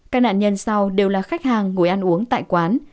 các nạn nhân sau đều là khách hàng ngồi ăn uống tại quán